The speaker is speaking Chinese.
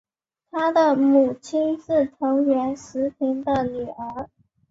他的母亲是藤原时平的女儿。